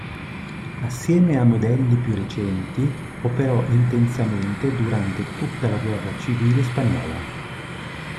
Assieme a modelli più recenti operò intensamente durante tutta la guerra civile spagnola.